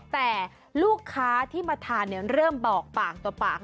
แต่ลูกค้าที่มาทานเริ่มบอกปากต่อปาก